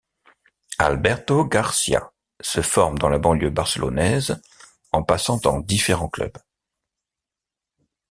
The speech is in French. Alberto García se forme dans la banlieue barcelonaise, en passant dans différents clubs.